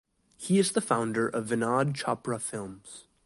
He is the founder of Vinod Chopra Films.